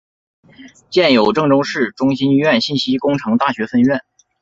建有郑州市中心医院信息工程大学分院。